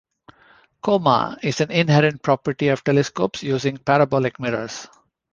Coma is an inherent property of telescopes using parabolic mirrors.